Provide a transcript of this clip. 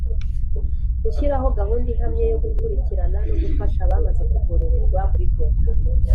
Gushyiraho gahunda ihamye yo gukurikirana no gufasha abamaze kugororerwa mu bigo